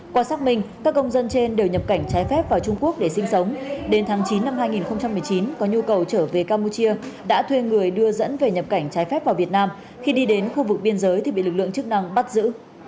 qua xác minh các công dân trên đều nhập cảnh trái phép vào trung quốc để sinh sống đến tháng chín năm hai nghìn một mươi chín có nhu cầu trở về campuchia đã thuê người đưa dẫn về nhập cảnh trái phép vào việt nam khi đi đến khu vực biên giới thì bị lực lượng chức năng bắt giữ